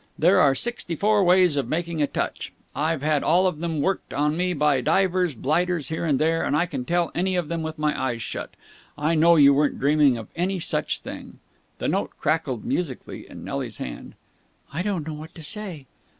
There are sixty four ways of making a touch I've had them all worked on me by divers blighters here and there and I can tell any of them with my eyes shut. I know you weren't dreaming of any such thing." The note crackled musically in Nelly's hand. "I don't know what to say!"